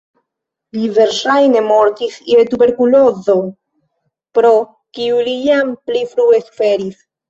Li verŝajne mortis je tuberkulozo, pro kiu li jam pli frue suferis.